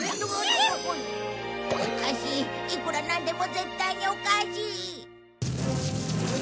おかしいいくらなんでも絶対におかしい。